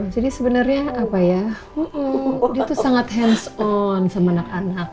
jadi sebenarnya apa ya dia tuh sangat hands on sama anak anak